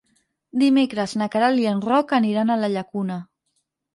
Dimecres na Queralt i en Roc aniran a la Llacuna.